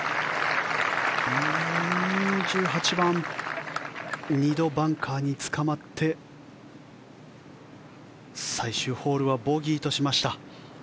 １８番２度バンカーにつかまって最終ホールはボギーとしました。